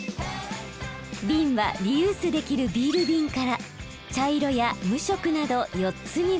ビンはリユースできるビールビンから茶色や無色など４つに分別。